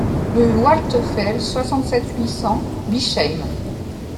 Rue Waldteufel, soixante-sept, huit cents Bischheim